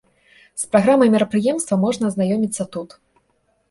З праграмай мерапрыемства можна азнаёміцца тут.